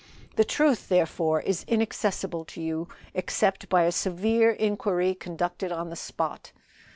"The truth, therefore, is inaccessible to you, except by a severe inquiry conducted on the spot.